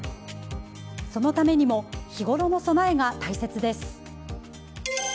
そのためにも日ごろの備えが大切です。